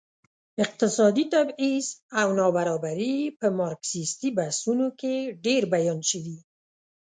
اقتصادي تبعيض او نابرابري په مارکسيستي بحثونو کې ډېر بیان شوي.